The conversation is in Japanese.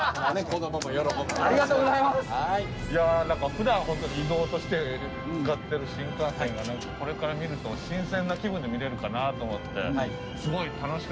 ふだんホントに移動として使ってる新幹線がこれから見ると新鮮な気分で見れるかなと思ってすごい楽しかったです。